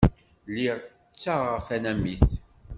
Lliɣ ttaɣeɣ tanamit.